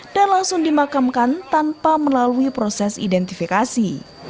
dan langsung dimakamkan tanpa melalui proses identifikasi